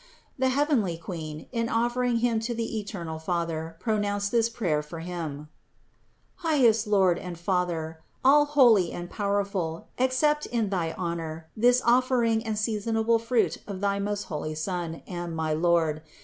The heavenly Queen, in offering him to the eternal Father, pronounced this prayer for him: "Highest Lord and Father, all holy and powerful, accept in thy honor this offering and seasonable fruit of thy most holy Son and my Lord.